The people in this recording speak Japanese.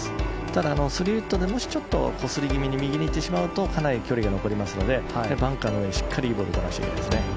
ただ、３ウッドでもしちょっと、こすり気味に右に行ってしまいますとかなり距離が残りますのでバンカーの上にしっかりいいボールを出してほしいですね。